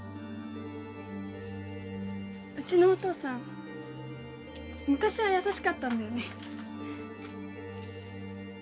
うちのお父さん昔は優しかったんだよね